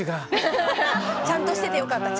ちゃんとしててよかった。